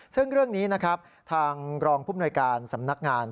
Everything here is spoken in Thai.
ซึ่งเรื่องนี้นะครับทางรองภูมิหน่วยการสำนักงาน